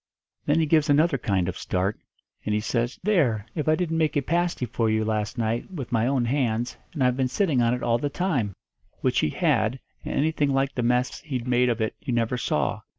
Then he gives another kind of start, and he says, 'There! If I didn't make a pasty for you, last night, with my own hands, and I've been sitting on it all the time,' which he had, and anything like the mess he'd made of it you never saw.